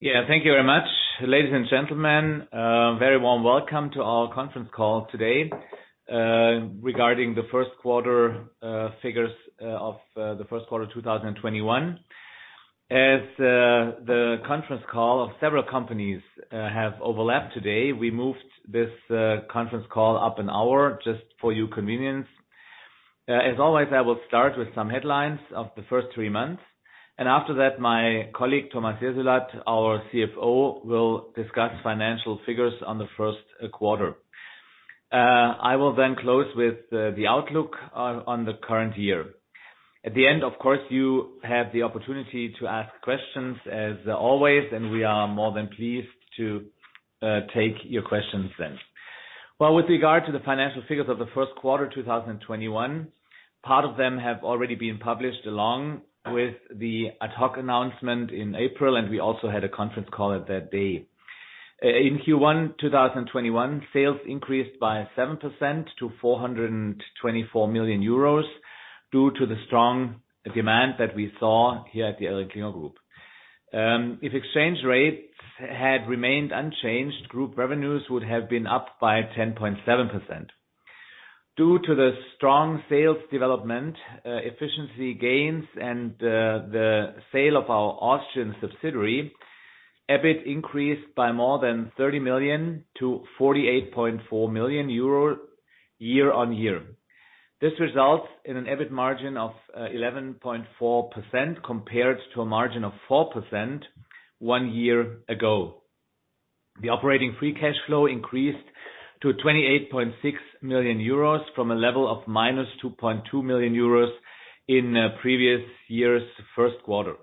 Yeah. Thank you very much. Ladies and gentlemen, very warm welcome to our conference call today regarding the first quarter figures of the first quarter 2021. As the conference call of several companies have overlapped today, we moved this conference call up an hour just for your convenience. As always, I will start with some headlines of the first three months. After that, my colleague, Thomas Jessulat, our CFO, will discuss financial figures on the first quarter. I will then close with the outlook on the current year. At the end, of course, you have the opportunity to ask questions as always. We are more than pleased to take your questions then. Well, with regard to the financial figures of the first quarter 2021, part of them have already been published along with the ad hoc announcement in April, and we also had a conference call at that day. In Q1 2021, sales increased by 7% to 424 million euros due to the strong demand that we saw here at the ElringKlinger Group. If exchange rates had remained unchanged, group revenues would have been up by 10.7%. Due to the strong sales development, efficiency gains, and the sale of our Austrian subsidiary, EBIT increased by more than 30 million to 48.4 million euro, year-on-year. This results in an EBIT margin of 11.4% compared to a margin of 4% one year ago. The operating free cash flow increased to 28.6 million euros from a level of -2.2 million euros in previous year's first quarter.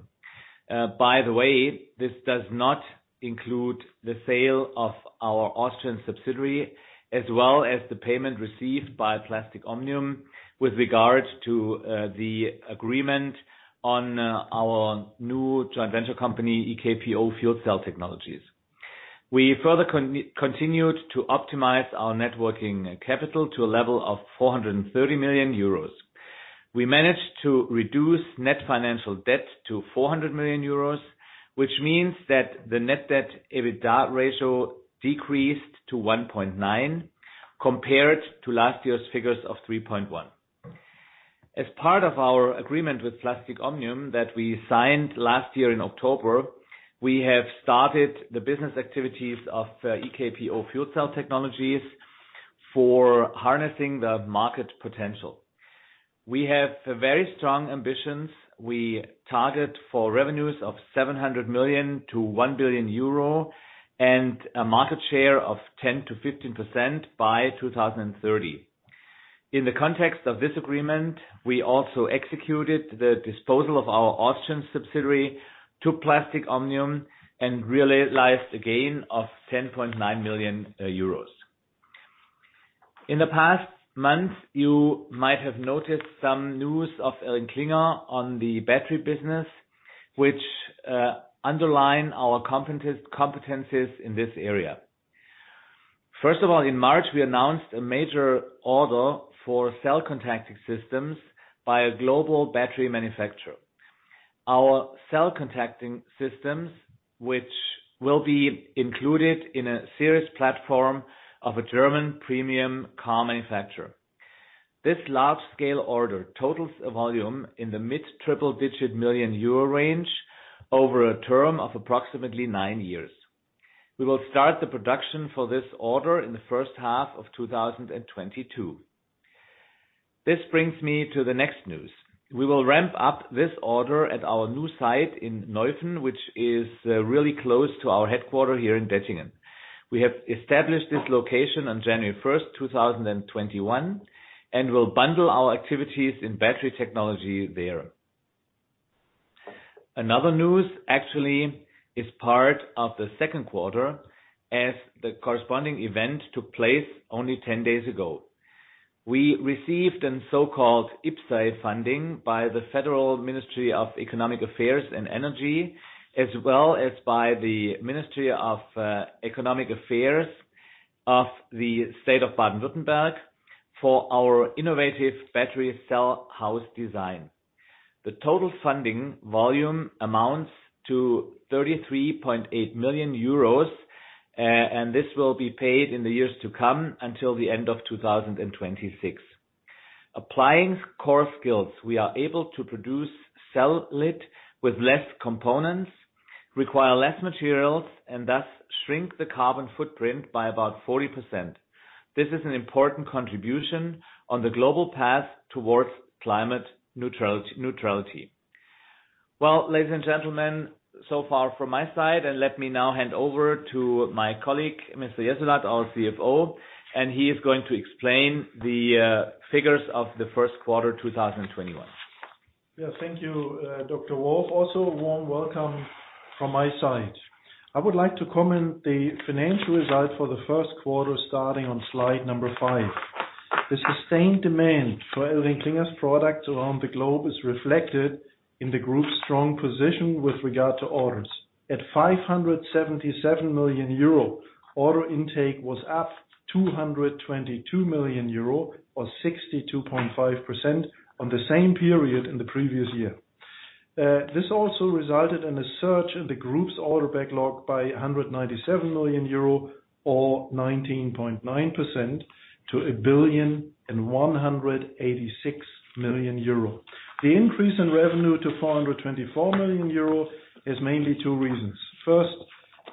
By the way, this does not include the sale of our Austrian subsidiary, as well as the payment received by Plastic Omnium with regard to the agreement on our new joint venture company, EKPO Fuel Cell Technologies. We further continued to optimize our net working capital to a level of 430 million euros. We managed to reduce net financial debt to 400 million euros, which means that the net debt EBITDA ratio decreased to 1.9 compared to last year's figures of 3.1. As part of our agreement with Plastic Omnium that we signed last year in October, we have started the business activities of EKPO Fuel Cell Technologies for harnessing the market potential. We have very strong ambitions. We target for revenues of 700 million-1 billion euro and a market share of 10%-15% by 2030. In the context of this agreement, we also executed the disposal of our Austrian subsidiary to Plastic Omnium and realized a gain of 10.9 million euros. In the past months, you might have noticed some news of ElringKlinger on the battery business, which underline our competencies in this area. First of all, in March, we announced a major order for cell contacting systems by a global battery manufacturer. Our cell contacting systems, which will be included in a series platform of a German premium car manufacturer. This large-scale order totals a volume in the mid triple-digit million Euro range over a term of approximately nine years. We will start the production for this order in the first half of 2022. This brings me to the next news. We will ramp up this order at our new site in Neuffen, which is really close to our headquarter here in Dettingen. We have established this location on January 1, 2021, and will bundle our activities in battery technology there. Another news actually is part of the second quarter, as the corresponding event took place only 10 days ago. We received a so-called IPCEI funding by the Federal Ministry for Economic Affairs and Energy, as well as by the Ministry of Economic Affairs of the State of Baden-Württemberg for our innovative battery cell housing design. The total funding volume amounts to 33.8 million euros, and this will be paid in the years to come until the end of 2026. Applying core skills, we are able to produce cell lid with less components, require less materials, and thus shrink the carbon footprint by about 40%. This is an important contribution on the global path towards climate neutrality. Well, ladies and gentlemen, so far from my side, and let me now hand over to my colleague, Mr. Jessulat, our CFO, and he is going to explain the figures of the first quarter 2021. Thank you, Dr. Wolf. Also, a warm welcome from my side. I would like to comment the financial result for the first quarter starting on slide number five. The sustained demand for ElringKlinger's products around the globe is reflected in the group's strong position with regard to orders. At 577 million euro, order intake was up 222 million euro or 62.5% on the same period in the previous year. This also resulted in a surge in the group's order backlog by 197 million euro or 19.9% to 1,186 million euro. The increase in revenue to 424 million euro is mainly two reasons. First,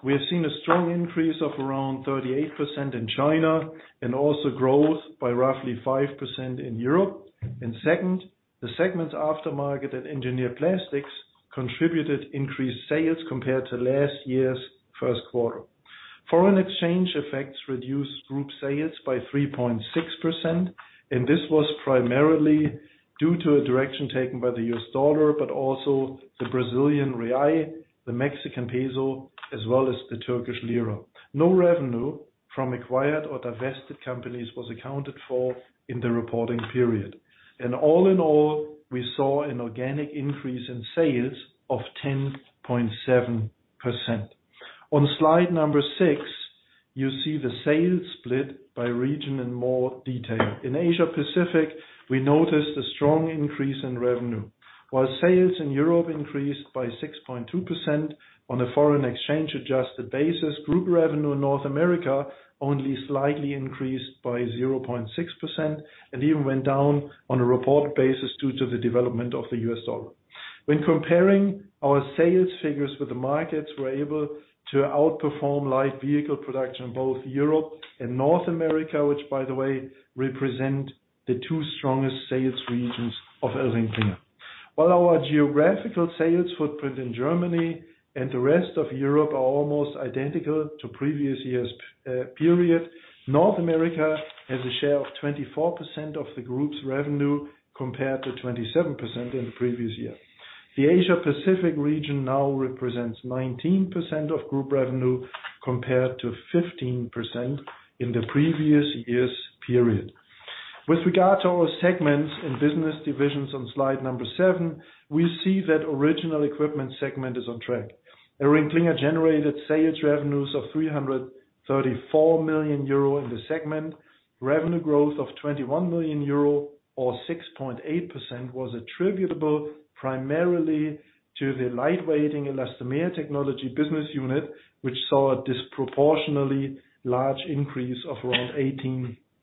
we have seen a strong increase of around 38% in China and also growth by roughly 5% in Europe. And second, the segments Aftermarket and Engineered Plastics contributed increased sales compared to last year's first quarter. Foreign exchange effects reduced group sales by 3.6%. This was primarily due to a direction taken by the U.S. dollar, but also the Brazilian real, the Mexican peso, as well as the Turkish lira. No revenue from acquired or divested companies was accounted for in the reporting period. All in all, we saw an organic increase in sales of 10.7%. On slide number six, you see the sales split by region in more detail. In Asia Pacific, we noticed a strong increase in revenue. While sales in Europe increased by 6.2% on a foreign exchange adjusted basis. Group revenue in North America only slightly increased by 0.6% and even went down on a report basis due to the development of the U.S. dollar. When comparing our sales figures with the markets, we're able to outperform light vehicle production in both Europe and North America, which by the way, represent the two strongest sales regions of ElringKlinger. While our geographical sales footprint in Germany and the rest of Europe are almost identical to previous years' period, North America has a share of 24% of the group's revenue, compared to 27% in the previous year. The Asia Pacific region now represents 19% of group revenue, compared to 15% in the previous year's period. With regard to our segments and business divisions on slide number seven, we see that original equipment segment is on track. ElringKlinger generated sales revenues of 334 million euro in the segment. Revenue growth of 21 million euro or 6.8% was attributable primarily to the Lightweighting/Elastomer Technology business unit, which saw a disproportionately large increase of around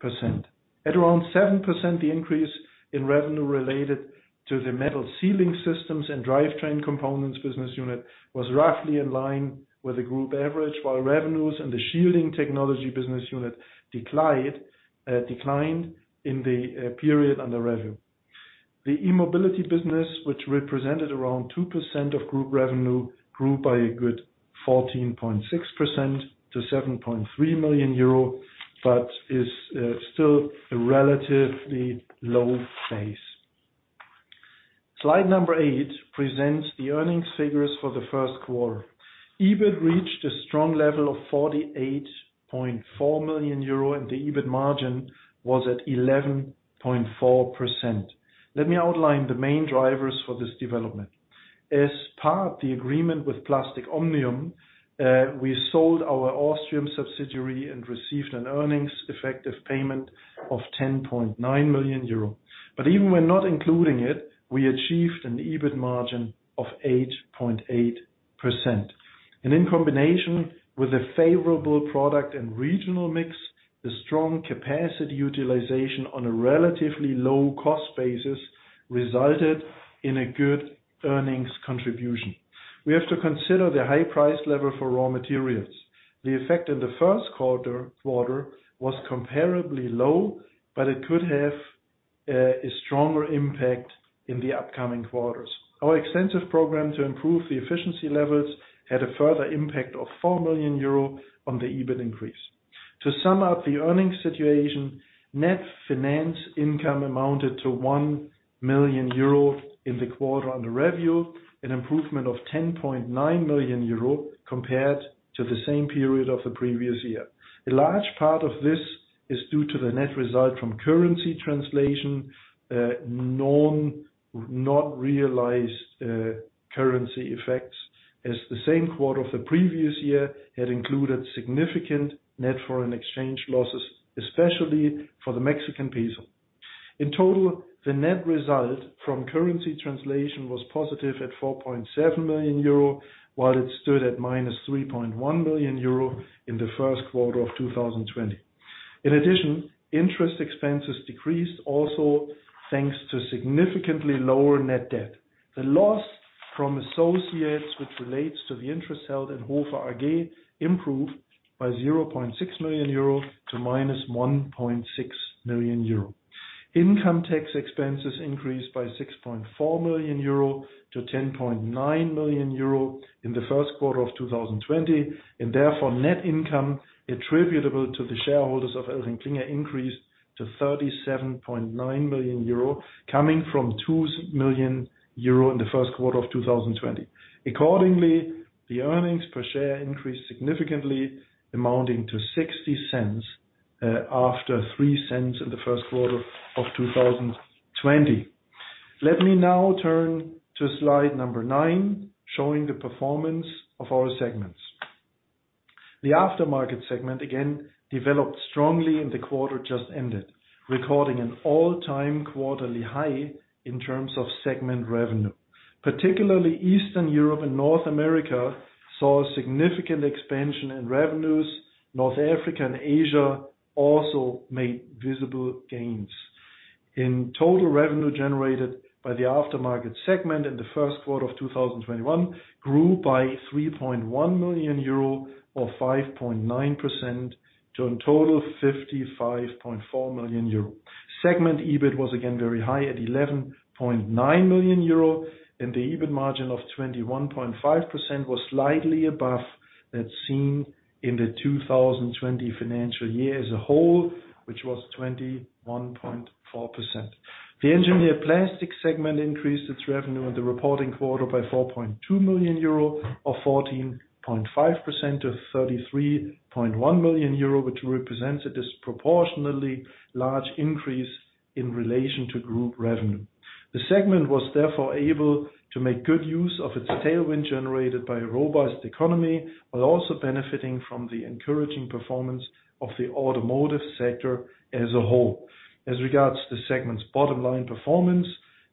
18%. At around 7%, the increase in revenue related to the Metal Sealing Systems & Drivetrain Components business unit was roughly in line with the group average, while revenues in the Shielding Technology business unit declined in the period under review. The E-Mobility business, which represented around 2% of group revenue, grew by a good 14.6% to 7.3 million euro, is still a relatively low base. Slide number eight presents the earnings figures for the first quarter. EBIT reached a strong level of 48.4 million euro and the EBIT margin was at 11.4%. Let me outline the main drivers for this development. As part of the agreement with Plastic Omnium, we sold our Austrian subsidiary and received an earnings effective payment of 10.9 million euro. Even when not including it, we achieved an EBIT margin of 8.8%. In combination with a favorable product and regional mix, the strong capacity utilization on a relatively low cost basis resulted in a good earnings contribution. We have to consider the high price level for raw materials. The effect in the first quarter was comparably low, but it could have a stronger impact in the upcoming quarters. Our extensive program to improve the efficiency levels had a further impact of 4 million euro on the EBIT increase. To sum up the earnings situation, net finance income amounted to 1 million euro in the quarter under review, an improvement of 10.9 million euro compared to the same period of the previous year. A large part of this is due to the net result from currency translation, not realized currency effects as the same quarter of the previous year had included significant net foreign exchange losses, especially for the Mexican peso. In total, the net result from currency translation was positive at 4.7 million euro, while it stood at -3.1 million euro in the first quarter of 2020. In addition, interest expenses decreased also thanks to significantly lower net debt. The loss from associates, which relates to the interest held in hofer AG, improved by 0.6 million euro to -1.6 million euro. Income tax expenses increased by 6.4 million euro to 10.9 million euro in the first quarter of 2020. Therefore, net income attributable to the shareholders of ElringKlinger increased to 37.9 million euro, coming from 2 million euro in the first quarter of 2020. Accordingly, the earnings per share increased significantly, amounting to 0.60 after 0.03 in the first quarter of 2020. Let me now turn to slide number nine, showing the performance of our segments. The aftermarket segment again developed strongly in the quarter just ended, recording an all-time quarterly high in terms of segment revenue. Particularly Eastern Europe and North America saw a significant expansion in revenues. North Africa and Asia also made visible gains. In total, revenue generated by the aftermarket segment in the first quarter of 2021 grew by 3.1 million euro or 5.9% to a total of 55.4 million euro. Segment EBIT was again very high at 11.9 million euro, and the EBIT margin of 21.5% was slightly above that seen in the 2020 financial year as a whole, which was 21.4%. The Engineered Plastics segment increased its revenue in the reporting quarter by 4.2 million euro or 14.5% to 33.1 million euro, which represents a disproportionately large increase in relation to group revenue. The segment was therefore able to make good use of its tailwind generated by a robust economy, while also benefiting from the encouraging performance of the automotive sector as a whole. As regards the segment's bottom line performance,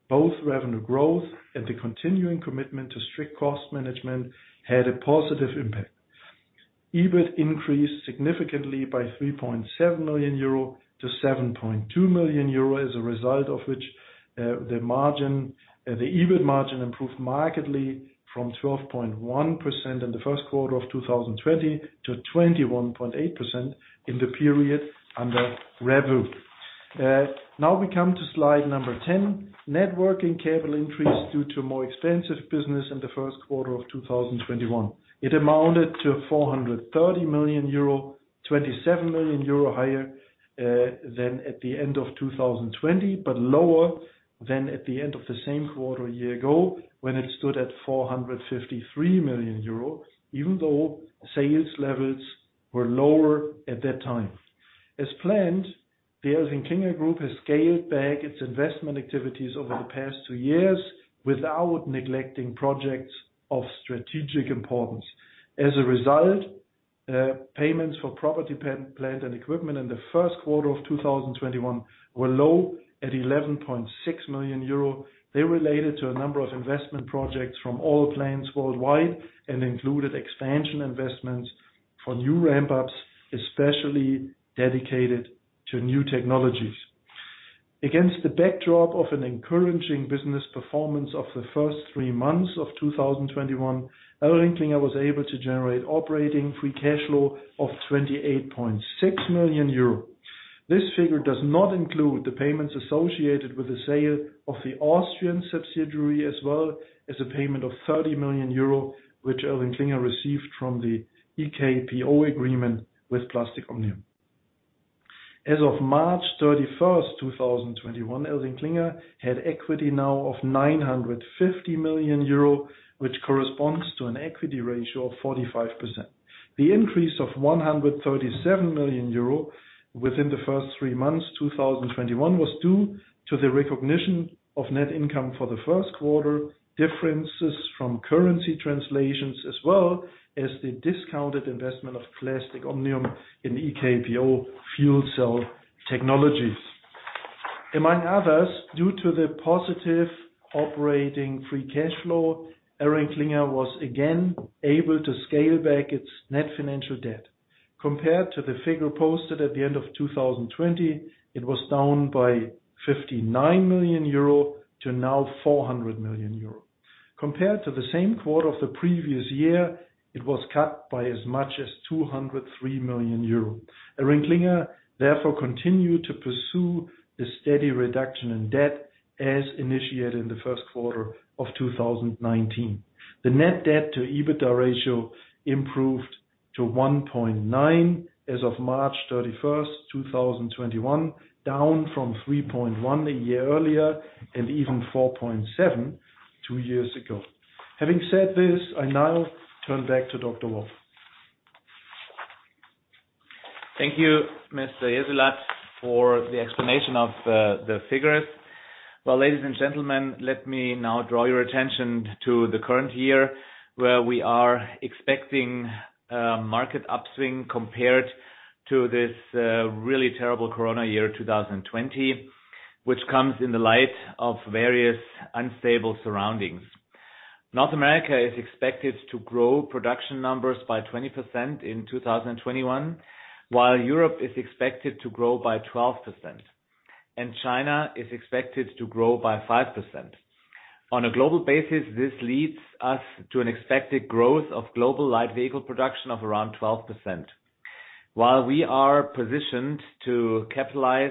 both revenue growth and the continuing commitment to strict cost management had a positive impact. EBIT increased significantly by 3.7 million euro to 7.2 million euro, as a result of which the EBIT margin improved markedly from 12.1% in the first quarter of 2020 to 21.8% in the period under review. We come to slide 10. Net working capital increased due to more extensive business in the first quarter of 2021. It amounted to 430 million euro, 27 million euro higher than at the end of 2020, but lower than at the end of the same quarter a year ago when it stood at 453 million euro, even though sales levels were lower at that time. As planned, the ElringKlinger Group has scaled back its investment activities over the past two years without neglecting projects of strategic importance. As a result, payments for property, plant, and equipment in the first quarter of 2021 were low at 11.6 million euro. They related to a number of investment projects from all plants worldwide and included expansion investments for new ramp-ups, especially dedicated to new technologies. Against the backdrop of an encouraging business performance of the first three months of 2021, ElringKlinger was able to generate operating free cash flow of 28.6 million euro. This figure does not include the payments associated with the sale of the Austrian subsidiary, as well as a payment of 30 million euro, which ElringKlinger received from the EKPO agreement with Plastic Omnium. As of March 31st, 2021, ElringKlinger had equity now of 950 million euro, which corresponds to an equity ratio of 45%. The increase of 137 million euro within the first three months 2021 was due to the recognition of net income for the first quarter, differences from currency translations, as well as the discounted investment of Plastic Omnium in EKPO Fuel Cell Technologies. Among others, due to the positive operating free cash flow, ElringKlinger was again able to scale back its net financial debt. Compared to the figure posted at the end of 2020, it was down by 59 million euro to now 400 million euro. Compared to the same quarter of the previous year, it was cut by as much as 203 million euro. ElringKlinger therefore continued to pursue the steady reduction in debt as initiated in the first quarter of 2019. The net debt to EBITDA ratio improved to 1.9 as of March 31, 2021, down from 3.1 a year earlier and even 4.7 two years ago. Having said this, I now turn back to Stefan Wolf. Thank you, Mr. Jessulat, for the explanation of the figures. Well, ladies and gentlemen, let me now draw your attention to the current year, where we are expecting a market upswing compared to this really terrible Corona year, 2020, which comes in the light of various unstable surroundings. North America is expected to grow production numbers by 20% in 2021, while Europe is expected to grow by 12%, and China is expected to grow by 5%. On a global basis, this leads us to an expected growth of global light vehicle production of around 12%. While we are positioned to capitalize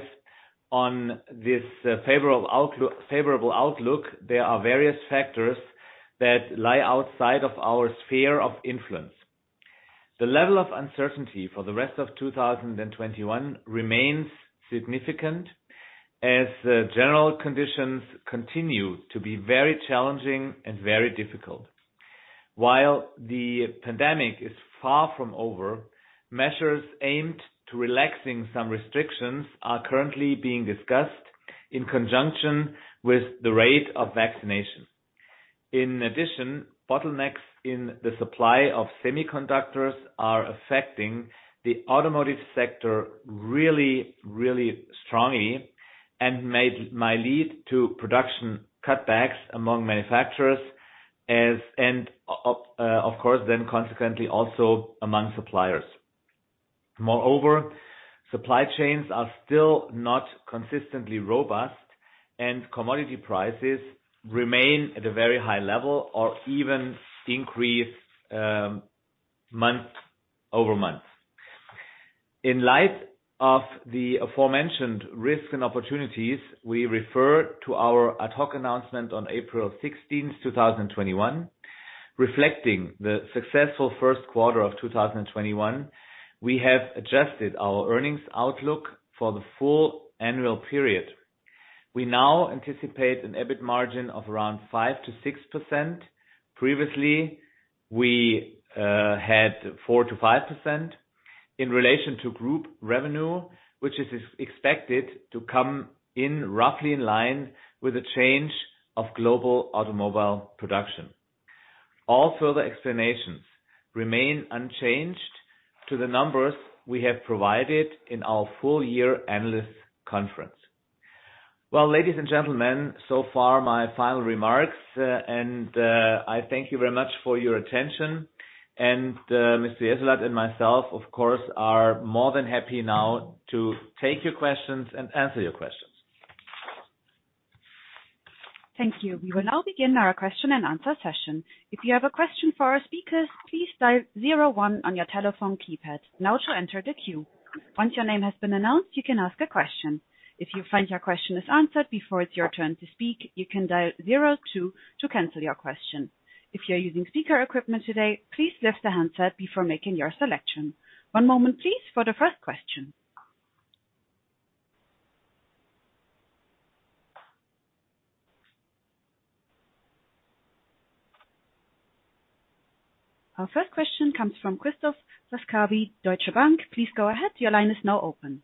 on this favorable outlook, there are various factors that lie outside of our sphere of influence. The level of uncertainty for the rest of 2021 remains significant, as the general conditions continue to be very challenging and very difficult. While the pandemic is far from over, measures aimed to relaxing some restrictions are currently being discussed in conjunction with the rate of vaccination. In addition, bottlenecks in the supply of semiconductors are affecting the automotive sector really strongly, and might lead to production cutbacks among manufacturers, and of course then consequently also among suppliers. Moreover, supply chains are still not consistently robust, and commodity prices remain at a very high level or even increase month-over-month. In light of the aforementioned risks and opportunities, we refer to our ad hoc announcement on April 16th, 2021. Reflecting the successful first quarter of 2021, we have adjusted our earnings outlook for the full annual period. We now anticipate an EBIT margin of around 5%-6%. Previously, we had 4% to 5% in relation to group revenue, which is expected to come in roughly in line with the change of global automobile production. All further explanations remain unchanged to the numbers we have provided in our full year analyst conference. Well, ladies and gentlemen, so far my final remarks. I thank you very much for your attention. Mr. Jessulat and myself, of course, are more than happy now to take your questions and answer your questions. Thank you. We will now begin our question and answer session. If you have a question for us dial zero one on your telephone keypad now to enter the queue. Once your name has been announced, you can ask a question if you find your question is answered before it's your turn to speak you can dial zero to cancel your question. If you're using speaker equipment today, please lift the handset before making your selection. One moment please for the first question. Our first question comes from Christoph Laskawi, Deutsche Bank. Please go ahead. Your line is now open.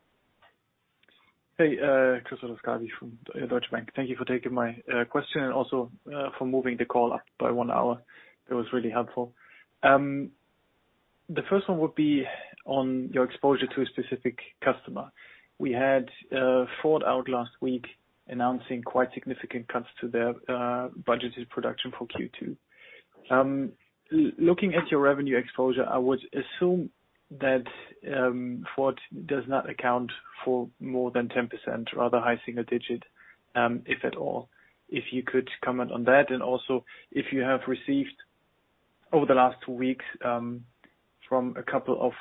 Hey, Christoph Laskawi from Deutsche Bank. Thank you for taking my question and also for moving the call up by one hour. That was really helpful. The first one would be on your exposure to a specific customer. We had Ford out last week announcing quite significant cuts to their budgeted production for Q2. Looking at your revenue exposure, I would assume that Ford does not account for more than 10% or rather high single digit, if at all. If you could comment on that, and also if you have received over the last two weeks from a couple of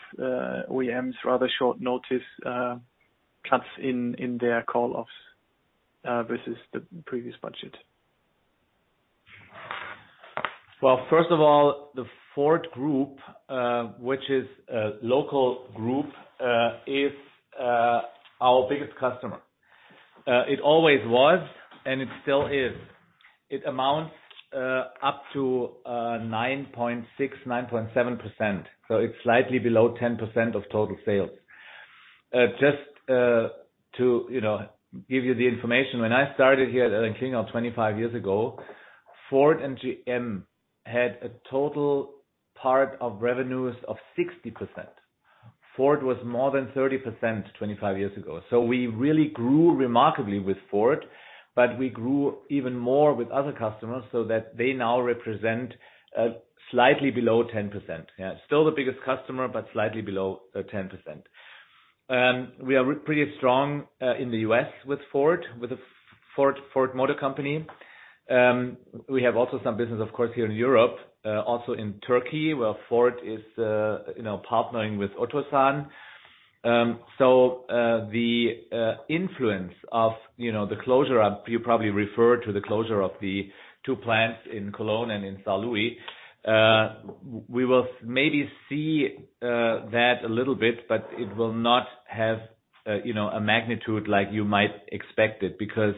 OEMs, rather short notice cuts in their call-offs, versus the previous budget. Well, first of all, the Ford Group, which is a local group, is our biggest customer. It always was, and it still is. It amounts up to 9.6%, 9.7%. It's slightly below 10% of total sales. Just to give you the information, when I started here at ElringKlinger 25 years ago, Ford and GM had a total part of revenues of 60%. Ford was more than 30% 25 years ago. We really grew remarkably with Ford, but we grew even more with other customers so that they now represent slightly below 10%. Still the biggest customer, slightly below 10%. We are pretty strong in the U.S. with Ford Motor Company. We have also some business, of course, here in Europe, also in Turkey, where Ford is partnering with Otosan. The influence of the closure, you probably refer to the closure of the two plants in Cologne and in Saarlouis. We will maybe see that a little bit, but it will not have a magnitude like you might expect it, because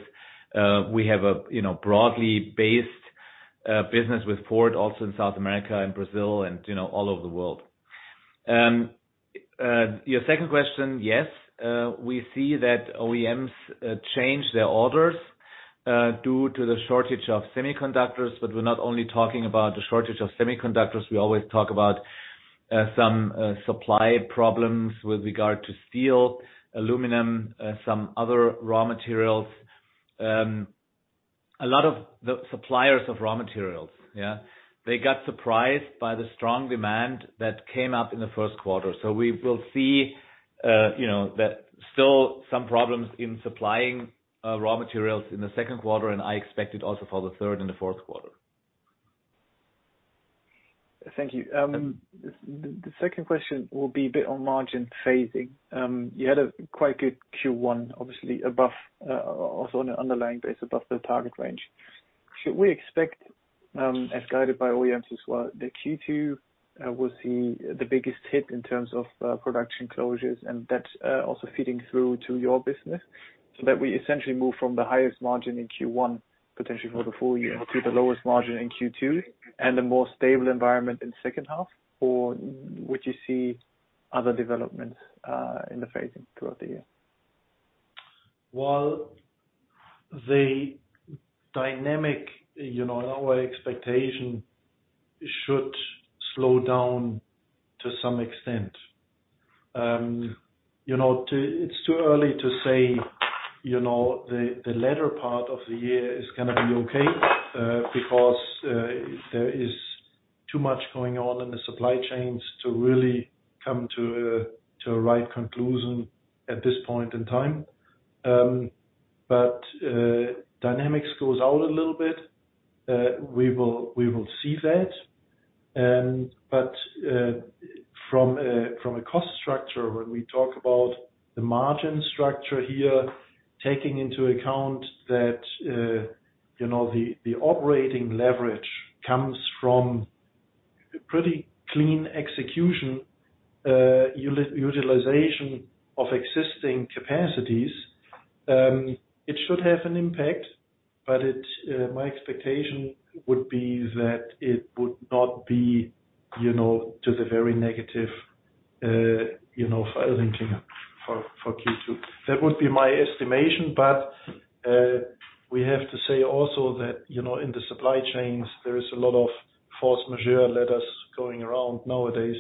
we have a broadly based business with Ford also in South America and Brazil and all over the world. Your second question, yes. We see that OEMs change their orders due to the shortage of semiconductors, but we're not only talking about the shortage of semiconductors. We always talk about some supply problems with regard to steel, aluminum, some other raw materials. A lot of the suppliers of raw materials got surprised by the strong demand that came up in the first quarter. We will see that still some problems in supplying raw materials in the second quarter, and I expect it also for the third and the fourth quarter. Thank you. The second question will be a bit on margin phasing. You had a quite good Q1, obviously above, also on an underlying basis, above the target range. Should we expect, as guided by OEMs as well, that Q2 will see the biggest hit in terms of production closures and that also feeding through to your business, so that we essentially move from the highest margin in Q1, potentially for the full year, to the lowest margin in Q2 and a more stable environment in second half? Would you see other developments in the phasing throughout the year? Well, the dynamic in our expectation should slow down to some extent. It's too early to say the latter part of the year is going to be okay, because there is too much going on in the supply chains to really come to a right conclusion at this point in time. Dynamics goes out a little bit. We will see that. From a cost structure, when we talk about the margin structure here, taking into account that the operating leverage comes from pretty clean execution, utilization of existing capacities, it should have an impact. My expectation would be that it would not be to the very negative for ElringKlinger for Q2. That would be my estimation. We have to say also that in the supply chains, there is a lot of force majeure letters going around nowadays,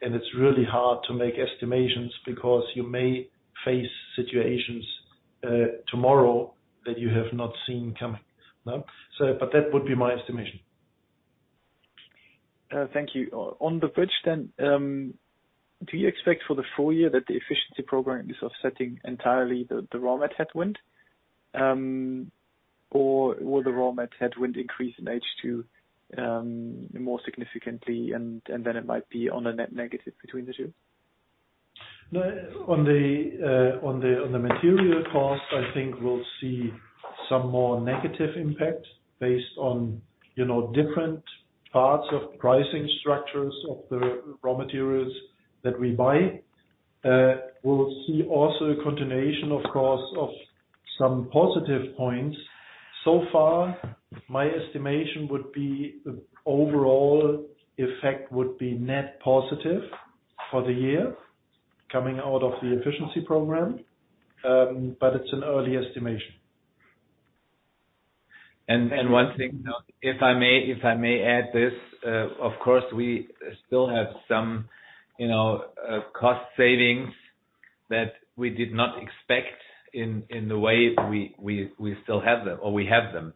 and it's really hard to make estimations because you may face situations tomorrow that you have not seen coming. That would be my estimation. Thank you. On the bridge, do you expect for the full year that the efficiency program is offsetting entirely the raw mat headwind? Will the raw mat headwind increase in H2 more significantly, and then it might be on a net negative between the two? On the material cost, I think we'll see some more negative impact based on different parts of pricing structures of the raw materials that we buy. We'll see also a continuation, of course, of some positive points. So far, my estimation would be the overall effect would be net positive for the year coming out of the efficiency program, but it's an early estimation. One thing, if I may add this, of course, we still have some cost savings that we did not expect in the way we still have them or we have them.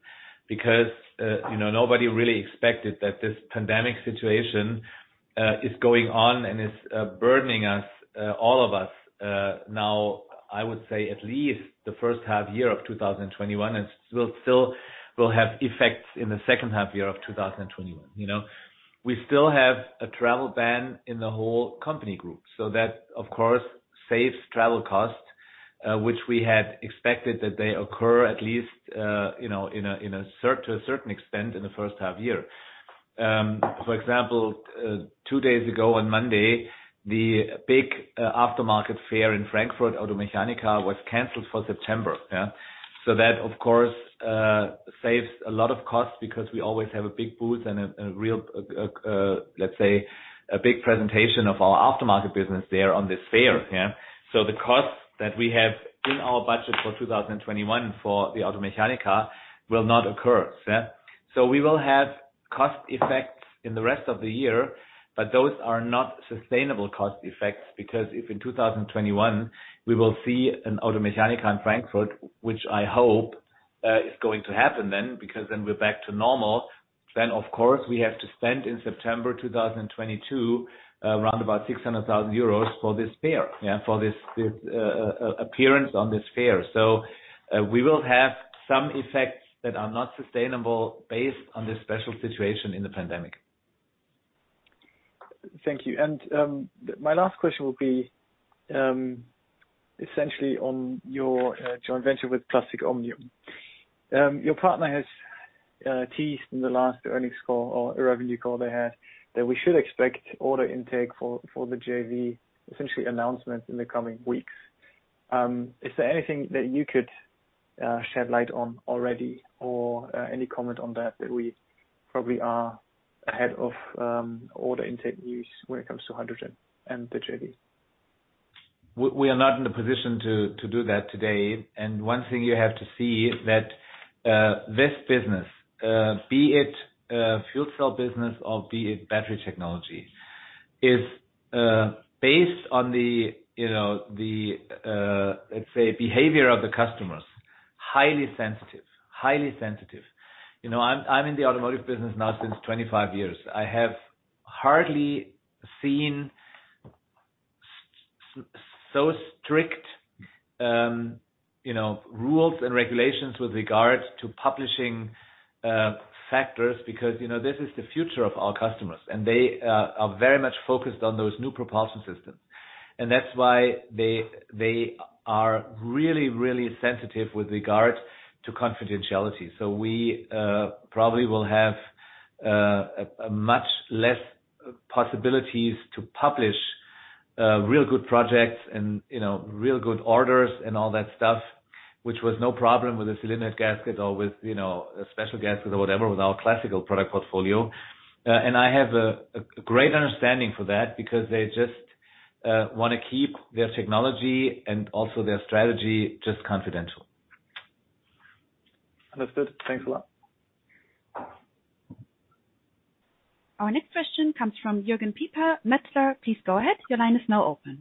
Nobody really expected that this pandemic situation is going on and is burdening all of us now, I would say at least the first half year of 2021, and still will have effects in the second half year of 2021. We still have a travel ban in the whole company group. That, of course, saves travel costs, which we had expected that they occur at least to a certain extent in the first half year. For example, two days ago on Monday, the big aftermarket fair in Frankfurt, Automechanika, was canceled for September. That, of course, saves a lot of costs because we always have a big booth and, let's say, a big presentation of our aftermarket business there on this fair. The costs that we have in our budget for 2021 for the Automechanika will not occur. We will have cost effects in the rest of the year, but those are not sustainable cost effects, because if in 2021 we will see an Automechanika in Frankfurt, which I hope is going to happen then, because then we're back to normal, then of course, we have to spend in September 2022 around about 600,000 euros for this fair, for this appearance on this fair. We will have some effects that are not sustainable based on this special situation in the pandemic. Thank you. My last question will be essentially on your joint venture with Plastic Omnium. Your partner has teased in the last earnings call or revenue call they had that we should expect order intake for the JV, essentially announcement in the coming weeks. Is there anything that you could shed light on already or any comment on that we probably are ahead of order intake news when it comes to hydrogen and the JV? We are not in a position to do that today. One thing you have to see is that this business, be it fuel cell business or be it battery technology, is based on the, let's say, behavior of the customers. Highly sensitive. I'm in the automotive business now since 25 years. I have hardly seen so strict rules and regulations with regard to publishing factors, because this is the future of our customers, and they are very much focused on those new propulsion systems. That's why they are really, really sensitive with regard to confidentiality. We probably will have much less possibilities to publish real good projects and real good orders and all that stuff, which was no problem with a cylinder gasket or with a special gasket or whatever with our classical product portfolio. I have a great understanding for that because they just want to keep their technology and also their strategy just confidential. Understood. Thanks a lot. Our next question comes from Jürgen Pieper, Metzler. Please go ahead. Your line is now open.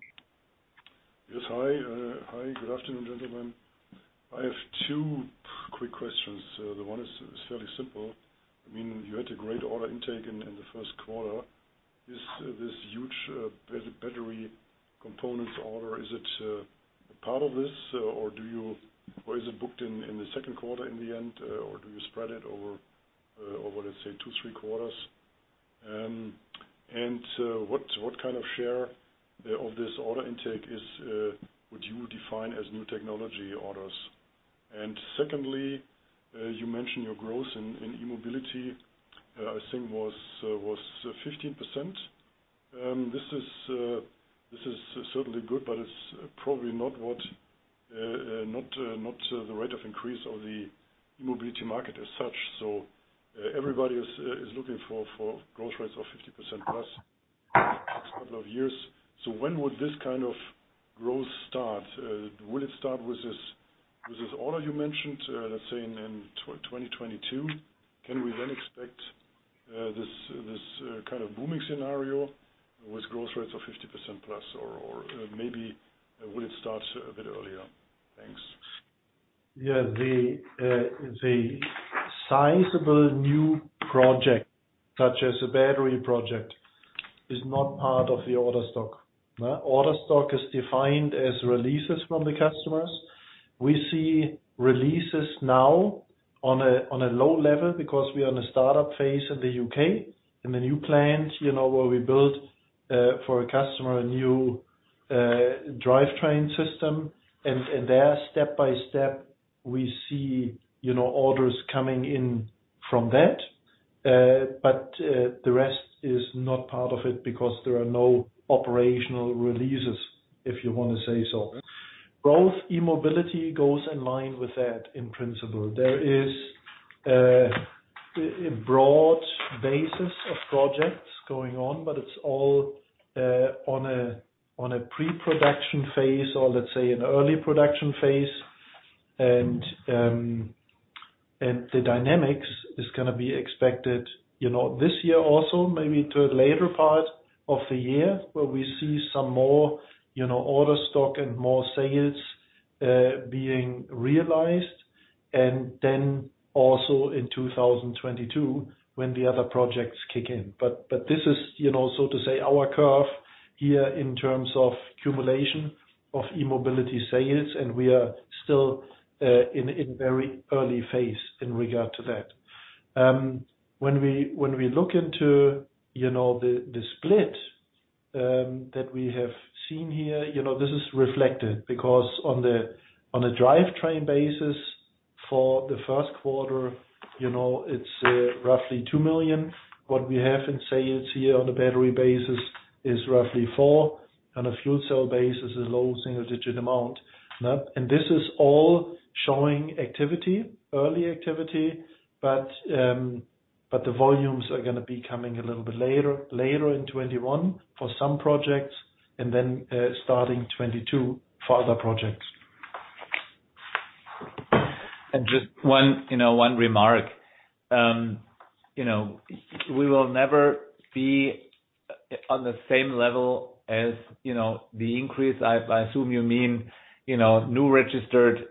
Yes. Hi. Good afternoon, gentlemen. I have two quick questions. The one is fairly simple. You had a great order intake in the first quarter. This huge battery components order, is it a part of this, or is it booked in the second quarter in the end, or do you spread it over, let's say, two, three quarters? What kind of share of this order intake is what you define as new technology orders? Secondly, you mentioned your growth in E-Mobility, I think, was 15%. This is certainly good, but it's probably not the rate of increase of the E-Mobility market as such. Everybody is looking for growth rates of 50% plus the next couple of years. When would this kind of growth start? Will it start with this order you mentioned, let's say in 2022? Can we expect this kind of booming scenario with growth rates of 50%+, or maybe will it start a bit earlier? Thanks. Yeah. The sizable new project, such as a battery project, is not part of the order stock. Order stock is defined as releases from the customers. We see releases now on a low level because we are in a startup phase in the U.K., in the new plant, where we build, for a customer, a new drivetrain system. There, step by step, we see orders coming in from that. The rest is not part of it because there are no operational releases, if you want to say so. Both E-Mobility goes in line with that, in principle. There is a broad basis of projects going on, but it's all on a pre-production phase, or let's say an early production phase. The dynamics is going to be expected this year also, maybe toward later part of the year, where we see some more order stock and more sales being realized. Also in 2022, when the other projects kick in. This is, so to say, our curve here in terms of accumulation of E-Mobility sales, and we are still in very early phase in regard to that. When we look into the split that we have seen here, this is reflected because on a drivetrain basis for the first quarter, it is roughly 2 million. What we have in sales here on the battery basis is roughly 4 million, on a fuel cell basis is low single-digit amount. This is all showing activity, early activity, but the volumes are going to be coming a little bit later in 2021 for some projects, and then starting 2022, further projects. Just one remark. We will never be on the same level as the increase, I assume you mean new registered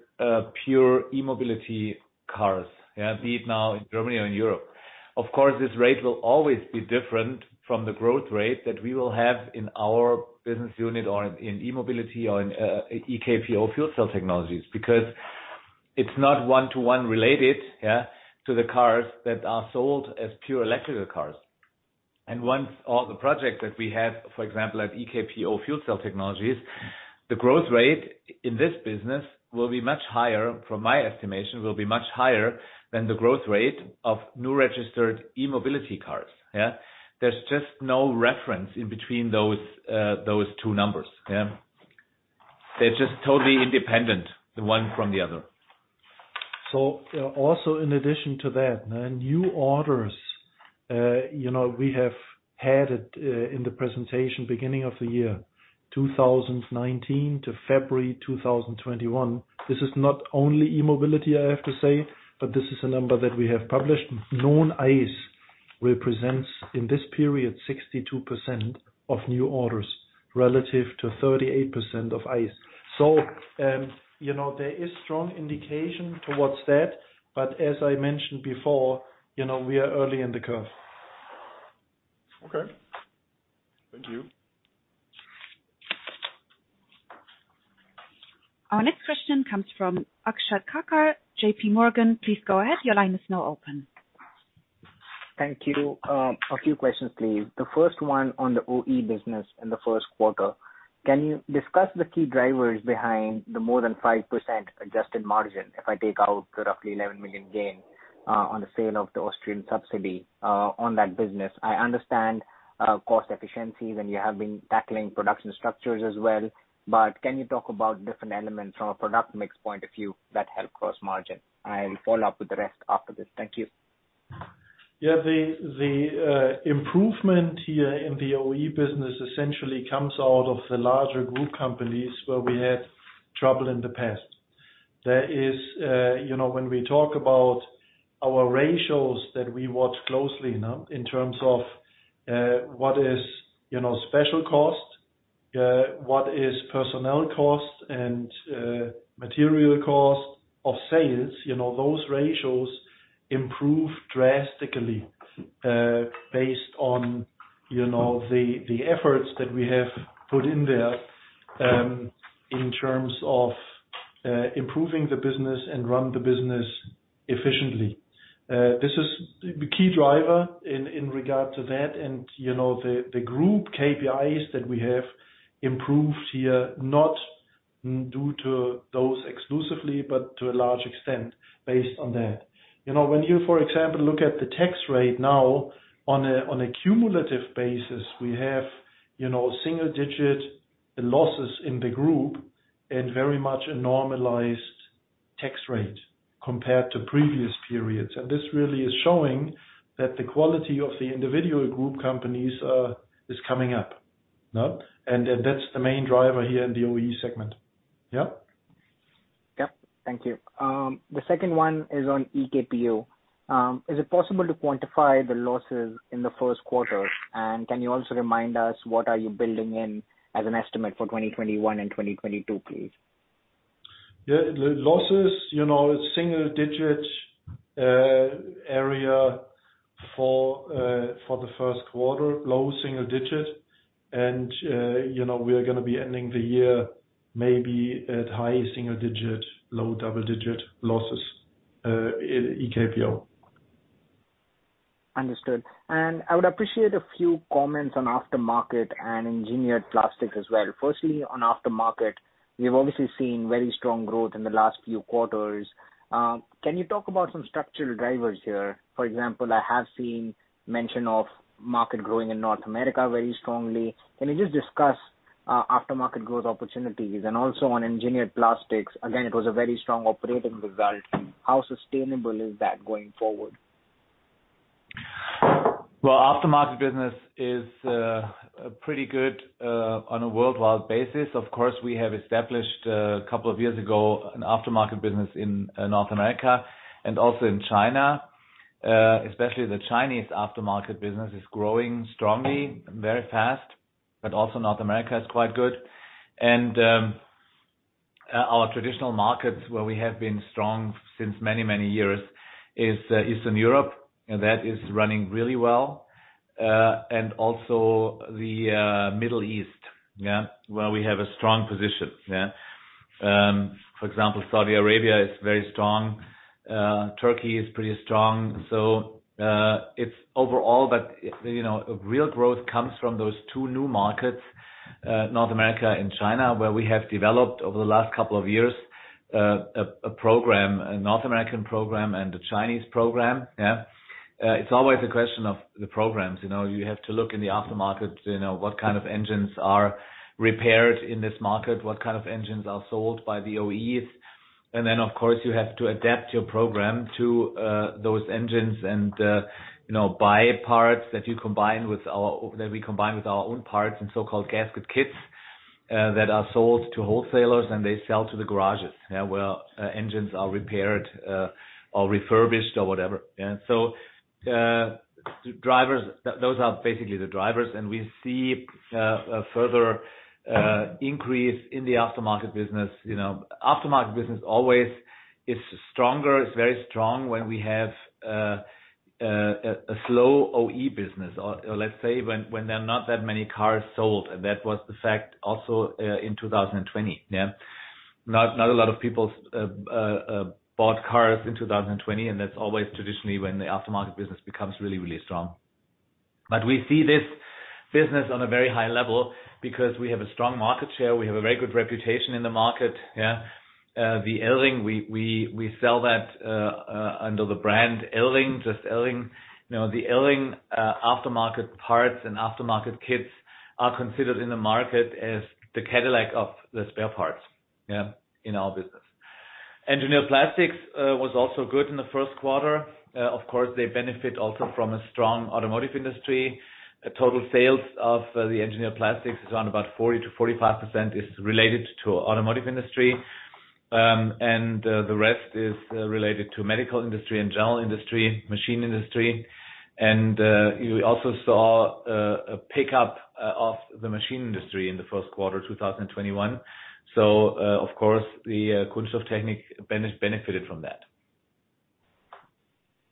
pure E-Mobility cars. Be it now in Germany or in Europe. Of course, this rate will always be different from the growth rate that we will have in our business unit or in E-Mobility or in EKPO Fuel Cell Technologies, because it's not one-to-one related to the cars that are sold as pure electrical cars. Once all the projects that we have, for example, at EKPO Fuel Cell Technologies, the growth rate in this business will be much higher, from my estimation, will be much higher than the growth rate of new registered E-Mobility cars. There's just no reference in between those two numbers. They're just totally independent, one from the other. Also in addition to that, new orders we have had it in the presentation beginning of the year, 2019 to February 2021. This is not only E-Mobility, I have to say, this is a number that we have published. Non-ICE represents, in this period, 62% of new orders, relative to 38% of ICE. There is strong indication towards that, as I mentioned before, we are early in the curve. Okay. Thank you. Our next question comes from Akshat Khandelwal, JPMorgan. Please go ahead. Your line is now open. Thank you. A few questions, please. The first one on the OE business in the first quarter. Can you discuss the key drivers behind the more than 5% adjusted margin if I take out the roughly 11 million gain on the sale of the Austrian subsidiary on that business? I understand cost efficiencies, and you have been tackling production structures as well, but can you talk about different elements from a product mix point of view that help gross margin? I'll follow up with the rest after this. Thank you. Yeah. The improvement here in the OE business essentially comes out of the larger group companies where we had trouble in the past. When we talk about our ratios that we watch closely now in terms of what is special cost, what is personnel cost and material cost of sales. Those ratios improved drastically based on the efforts that we have put in there in terms of improving the business and run the business efficiently. This is the key driver in regard to that and the group KPIs that we have improved here, not due to those exclusively, but to a large extent based on that. When you, for example, look at the tax rate now on a cumulative basis, we have single-digit losses in the group and very much a normalized tax rate compared to previous periods. This really is showing that the quality of the individual group companies is coming up. That's the main driver here in the OE segment. Yeah? Yep. Thank you. The second one is on EKPO. Is it possible to quantify the losses in the first quarter? Can you also remind us what are you building in as an estimate for 2021 and 2022, please? Yeah. The losses, single-digit area for the first quarter, low single-digit. We are going to be ending the year maybe at high single-digit, low double-digit losses, in EKPO. Understood. I would appreciate a few comments on aftermarket and Engineered Plastics as well. Firstly, on aftermarket, we've obviously seen very strong growth in the last few quarters. Can you talk about some structural drivers here? For example, I have seen mention of market growing in North America very strongly. Can you just discuss aftermarket growth opportunities? Also on Engineered Plastics, again, it was a very strong operating result. How sustainable is that going forward? Well, aftermarket business is pretty good on a worldwide basis. Of course, we have established, a couple of years ago, an aftermarket business in North America and also in China. Especially the Chinese aftermarket business is growing strongly, very fast, but also North America is quite good. Our traditional markets where we have been strong since many, many years is Eastern Europe, and that is running really well, and also the Middle East where we have a strong position. For example, Saudi Arabia is very strong. Turkey is pretty strong. It's overall, but real growth comes from those two new markets, North America and China, where we have developed over the last couple of years a program, a North American program and a Chinese program. It's always a question of the programs. You have to look in the aftermarket, what kind of engines are repaired in this market, what kind of engines are sold by the OEs. Then, of course, you have to adapt your program to those engines and buy parts that we combine with our own parts and so-called gasket kits that are sold to wholesalers, and they sell to the garages where engines are repaired or refurbished or whatever. Those are basically the drivers. We see a further increase in the aftermarket business. Aftermarket business always is stronger, is very strong when we have a slow OE business or, let's say, when there are not that many cars sold. That was the fact also in 2020. Not a lot of people bought cars in 2020, and that's always traditionally when the aftermarket business becomes really, really strong. We see this business on a very high level because we have a strong market share. We have a very good reputation in the market. The Elring, we sell that under the brand Elring. The Elring aftermarket parts and aftermarket kits are considered in the market as the Cadillac of the spare parts in our business. Engineered Plastics was also good in the first quarter. Of course, they benefit also from a strong automotive industry. Total sales of the Engineered Plastics is around about 40%-45% is related to automotive industry. The rest is related to medical industry and general industry, machine industry. You also saw a pickup of the machine industry in the first quarter 2021. Of course, the Kunststofftechnik benefited from that.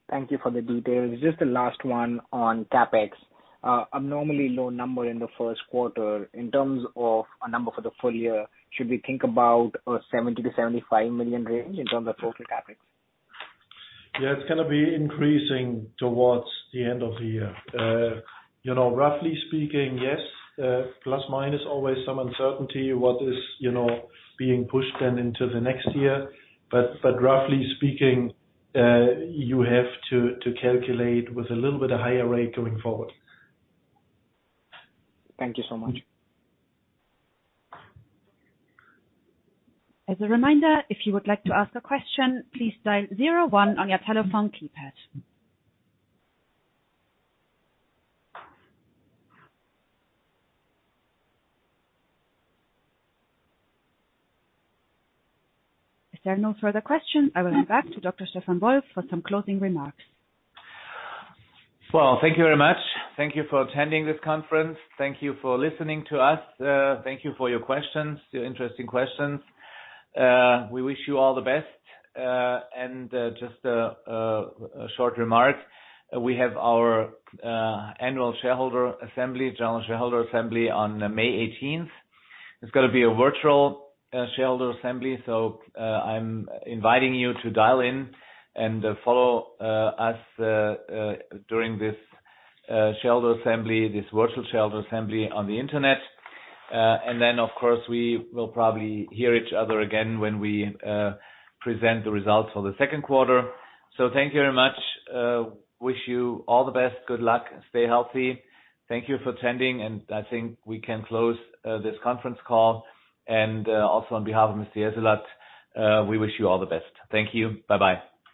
Thank you for the details. Just the last one on CapEx. Abnormally low number in the first quarter. In terms of a number for the full year, should we think about a 70 million-75 million range in terms of total CapEx? It's going to be increasing towards the end of the year. Roughly speaking, yes, plus, minus always some uncertainty what is being pushed then into the next year. Roughly speaking, you have to calculate with a little bit of higher rate going forward. Thank you so much. As a reminder, if you would like to ask a question, please dial zero one on your telephone keypad. If there are no further questions, I will hand back to Dr. Stefan Wolf for some closing remarks. Well, thank you very much. Thank you for attending this conference. Thank you for listening to us. Thank you for your questions, your interesting questions. We wish you all the best. Just a short remark. We have our annual shareholder assembly, general shareholder assembly on May 18th. It's going to be a virtual shareholder assembly. I'm inviting you to dial in and follow us during this shareholder assembly, this virtual shareholder assembly on the internet. Of course, we will probably hear each other again when we present the results for the second quarter. Thank you very much. Wish you all the best. Good luck. Stay healthy. Thank you for attending. I think we can close this conference call. Also on behalf of Mr. Jessulat, we wish you all the best. Thank you. Bye-bye.